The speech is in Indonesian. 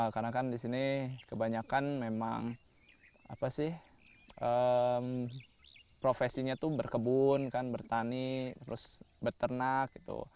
karena kan di sini kebanyakan memang profesinya itu berkebun bertani terus berternak